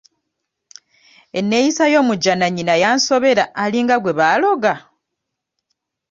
Eneeyisa y'omujjanannyina yansobera alinga gwe baaloga.